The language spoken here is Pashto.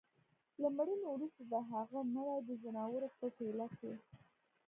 له مړيني وروسته د هغه مړى د ځناورو په ټېله کي